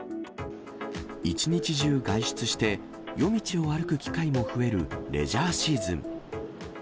一日中外出して、夜道を歩く機会も増えるレジャーシーズン。